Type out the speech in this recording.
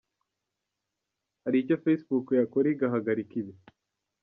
Hari icyo Facebook yakora igahagarika ibi.